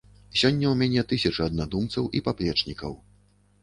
Сёння ў мяне тысячы аднадумцаў і паплечнікаў.